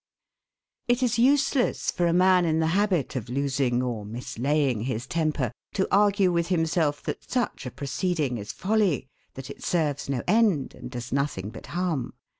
It is useless for a man in the habit of losing or mislaying his temper to argue with himself that such a proceeding is folly, that it serves no end, and does nothing but harm.